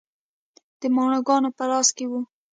د ماڼوګانو په لاس کې و.